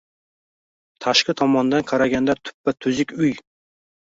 Tashqi tomondan qaraganda tuppa-tuzuk uy